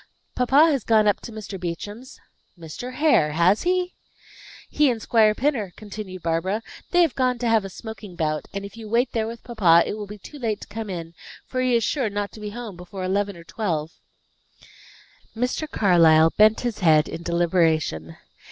"Papa has gone up to Mr. Beauchamp's." "Mr. Hare! Has he?" "He and Squire Pinner," continued Barbara. "They have gone to have a smoking bout. And if you wait there with papa, it will be too late to come in, for he is sure not to be home before eleven or twelve." Mr. Carlyle bent his head in deliberation.